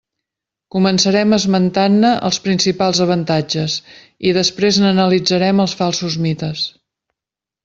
Començarem esmentant-ne els principals avantatges i després n'analitzarem els falsos mites.